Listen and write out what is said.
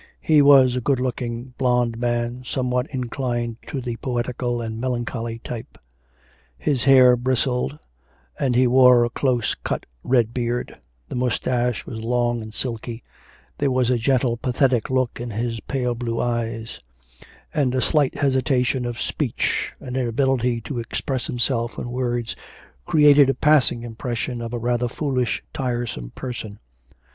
He was a good looking, blond man, somewhat inclined to the poetical and melancholy type; his hair bristled, and he wore a close cut red beard; the moustache was long and silky; there was a gentle, pathetic look in his pale blue eyes; and a slight hesitation of speech, an inability to express himself in words, created a passing impression of a rather foolish, tiresome person.